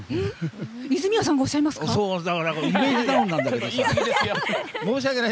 泉谷さんがおっしゃいますか？